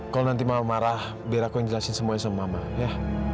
kalau nanti mama marah biar aku yang jelasin semuanya sama mama ya